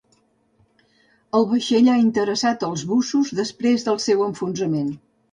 El vaixell ha interessat als bussos després del seu enfonsament.